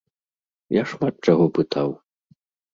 Я шмат чаго пытаў.